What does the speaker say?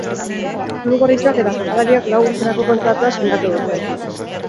Klub gorritxoak eta jokalariak lau urterako kontratua sinatu dute.